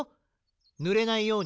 ぬれないようにね。